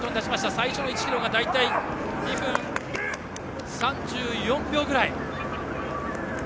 最初の１ｋｍが大体２分３４秒ぐらい。